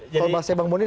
kalau bahasanya bang boni